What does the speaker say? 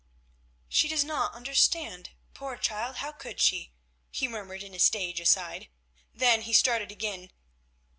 "She does not understand. Poor child, how should she?" he murmured in a stage aside. Then he started again.